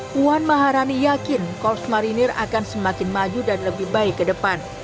puan maharani yakin korps marinir akan semakin maju dan lebih baik ke depan